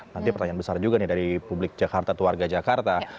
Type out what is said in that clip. nanti pertanyaan besar juga nih dari publik jakarta atau warga jakarta